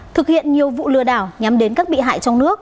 thực hiện nhiều vụ lừa đảo nhắm đến các bị hại trong nước